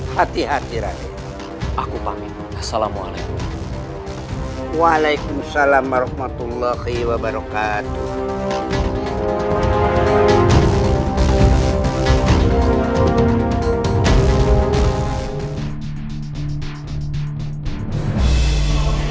hati hati rakyat aku pamit assalamualaikum waalaikumsalam warahmatullahi wabarakatuh